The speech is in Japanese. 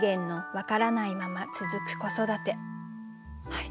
はい。